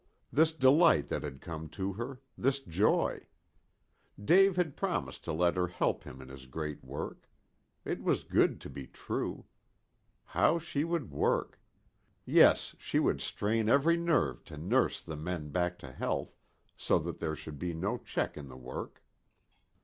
This delight that had come to her, this joy. Dave had promised to let her help him in his great work. It was too good to be true. How she would work. Yes, she would strain every nerve to nurse the men back to health, so that there should be no check in the work.